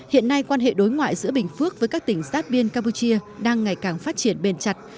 hiện nay quan hệ đối ngoại giữa bình phước với các tỉnh sát biên campuchia đang ngày càng phát triển bền chặt